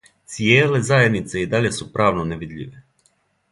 Цијеле заједнице и даље су правно невидљиве.